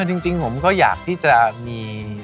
จริงผมก็อยากที่จะมี